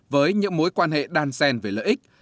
với những mối quan hệ đan sen về lợi ích